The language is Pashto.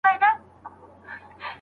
پلار وويل چي دا ساعت ډېر زوړ دی.